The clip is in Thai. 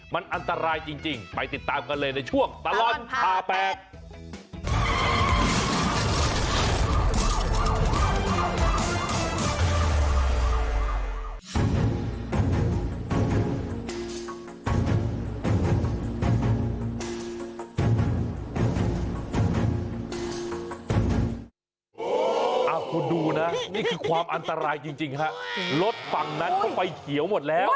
มันอันตรายจริงไปติดตามกันเลยในช่วงตลอดผ่าแปลก